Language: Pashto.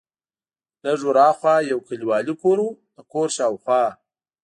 لږ ور ها خوا یو کلیوالي کور و، د کور شاوخوا.